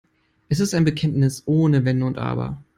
Es ist ein Bekenntnis ohne Wenn und Aber.